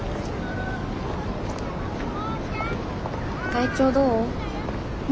体調どう？